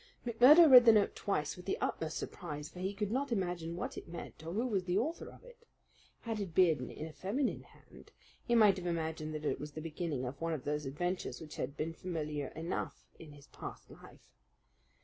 McMurdo read the note twice with the utmost surprise; for he could not imagine what it meant or who was the author of it. Had it been in a feminine hand, he might have imagined that it was the beginning of one of those adventures which had been familiar enough in his past life.